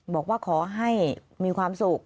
บอกว่าขอให้มีความสุข